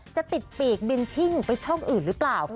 จะติดปีกบินชิ่งไปช่องอื่นหรือเปล่า